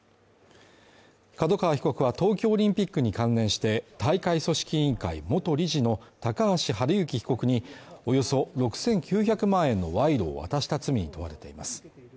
角川被告は東京オリンピックに関連して、大会組織委員会元理事の高橋治之被告におよそ６９００万円の賄賂を渡した罪に問われています。